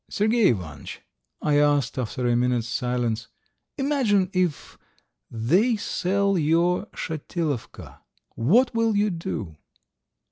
"Sergey Ivanitch," I asked, after a minute's silence, "imagine if they sell your Shatilovka, what will you do?"